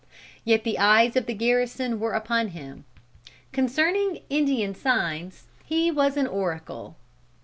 Yet the eyes of the garrison were upon him. Concerning 'Indian signs' he was an oracle.